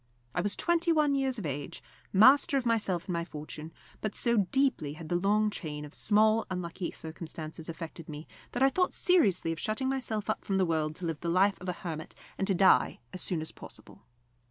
I was twenty one years of age, master of myself and of my fortune; but so deeply had the long chain of small unlucky circumstances affected me, that I thought seriously of shutting myself up from the world to live the life of a hermit, and to die as soon as possible.